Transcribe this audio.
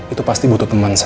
itu pasti butuh teman saya